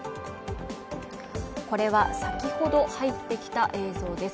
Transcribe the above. これは先ほど入ってきた映像です。